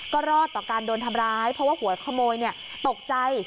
ก็รอดต่อการโดนทำร้ายเพราะว่าหัวขโมยตกใจ